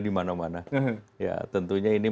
di mana mana ya tentunya ini